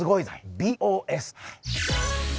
Ｂ・Ｏ・Ｓ！